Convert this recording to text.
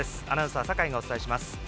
アナウンサー酒井がお伝えします。